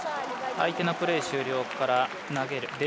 相手のプレー終了から投げる。